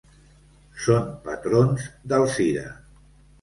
Són patrons d'Alzira.